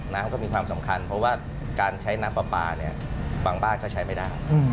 น้ำก็มีความสำคัญเพราะว่าการใช้น้ำปลาปลาเนี่ยบางบ้านก็ใช้ไม่ได้